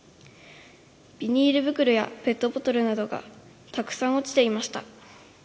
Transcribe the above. ビニールぶくろやペットボトルなどがたくさん落ちていました。